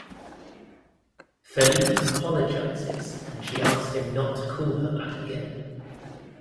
Felipe apologizes and she asks him not to call her that again.